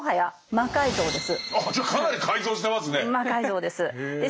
魔改造です。